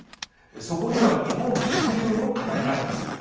そこには日本特有の課題があります。